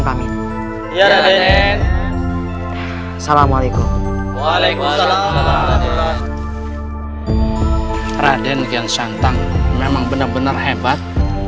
pamit ya raden assalamualaikum waalaikumsalam raden yang santang memang benar benar hebat